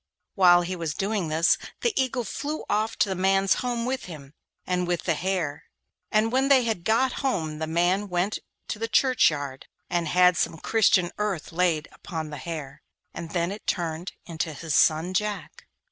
While he was doing this the Eagle flew off to the man's home with him, and with the hare, and when they had got home the man went to the churchyard, and had some Christian earth laid upon the hare, and then it turned into his son Jack.